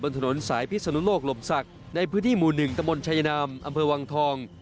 บนถนนสายพิษนุนโลกหลบสักในพื้นที่หมู่๑ตมชายนามอำเภอวังทอง